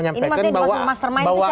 ini maksudnya dimaksud mastermind itu siapa